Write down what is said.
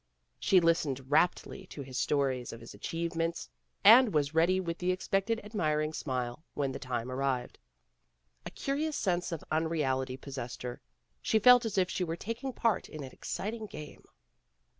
She listened raptly to his stories of his achieve ments, and was ready with the expected admiring smile when the time arrived. A curious sense of unreality possessed her. She felt as if she were taking part in an exciting game.